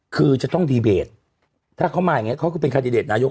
คือจะต้องดีเบตถ้าเขามาอย่างนี้เขาก็เป็นคาดิเดตนายก